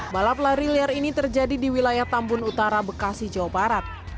balap lari liar ini terjadi di wilayah tambun utara bekasi jawa barat